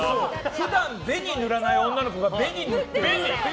普段、紅塗らない女の子が紅塗ってる。